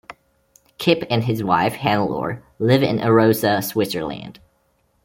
Kipp and his wife, Hannelore live in Arosa, Switzerland.